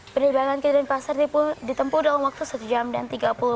penerbangan kita di pasar ditempu dalam waktu satu jam dan tiga jam